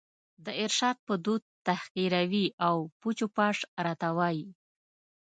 د ارشاد په دود تحقیروي او پوچ و فحش راته وايي